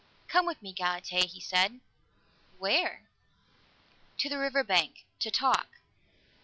"Come with me, Galatea," he said. "Where?" "To the river bank. To talk."